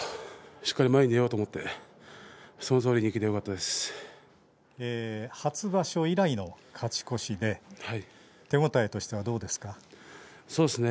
しっかり前に出ようと思って初場所以来の勝ち越しでそうですね